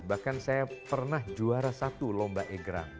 bahkan saya pernah juara satu lomba egrang